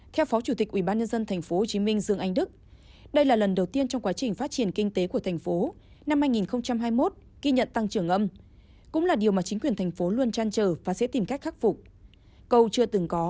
theo phó chủ tịch ubnd tp hcm dương anh đức đây là lần đầu tiên trong quá trình phát triển kinh tế của thành phố năm hai nghìn hai mươi một ghi nhận tăng trưởng âm cũng là điều mà chính quyền thành phố luôn chăn trở và sẽ tìm cách khắc phục